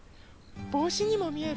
ぼうしにもみえる？